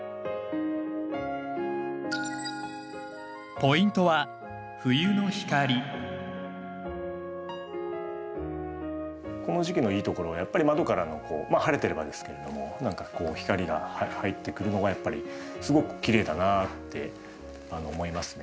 ポイントはこの時期のいいところはやっぱり窓からのまあ晴れてればですけれども何かこう光が入ってくるのがやっぱりすごくきれいだなって思いますね。